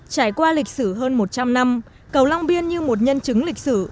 trải qua lịch sử hơn một trăm linh năm cầu long biên như một nhân chứng lịch sử